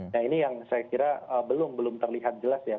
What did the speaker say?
nah ini yang saya kira belum terlihat jelas ya